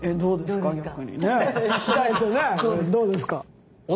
どうですか？